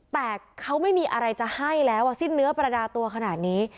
แต่เขาไม่มีอะไรจะให้แล้วสิ้นเนื้อประดาตัวขนาดนี้